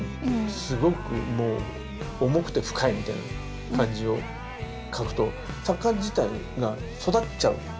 すごくもう重くて深いみたいな感じを描くと作家自体が育っちゃうじゃないですか。